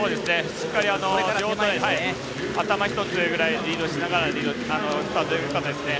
しっかり頭１つぐらいリードしながらスタートよかったですね。